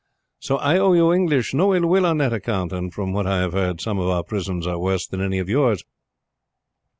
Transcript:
So I owe you English no ill will on that account, and from what I have heard some of our prisons are worse than any of yours.